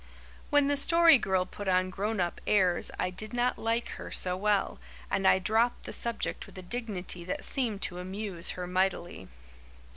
When the Story Girl put on grown up airs I did not like her so well, and I dropped the subject with a dignity that seemed to amuse her mightily.